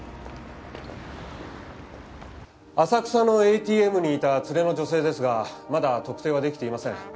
浅草のＡＴＭにいた連れの女性ですがまだ特定は出来ていません。